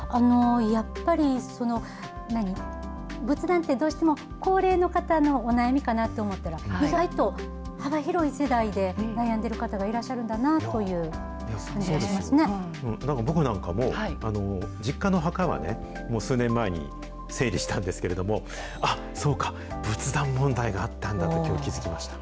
やっぱり、何、仏壇って、どうしても高齢の方のお悩みかなと思ったら、意外と幅広い世代で悩んでる方がいらっしゃるんだなという感じし僕なんかも、実家の墓はね、もう数年前に整理したんですけれども、あっ、そうか、仏壇問題があったんだって、きょう、気付きました。